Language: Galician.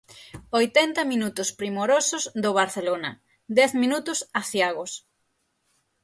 Oitenta minutos primorosos do Barcelona, dez minutos aciagos.